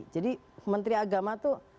jadi menteri agama tuh